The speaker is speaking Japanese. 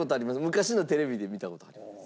昔のテレビで見た事あります。